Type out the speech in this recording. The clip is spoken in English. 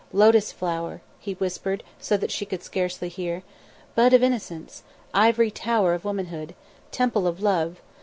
"Lotus flower," he whispered so that she could scarcely hear. "Bud of innocence! ivory tower of womanhood! temple of love!